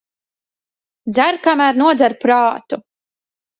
Dzer, kamēr nodzer prātu.